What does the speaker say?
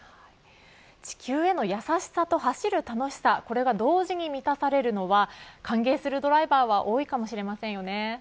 地球への優しさと走る楽しさこれが同時に満たされるのは歓迎するドライバーは多いかもしれませんよね。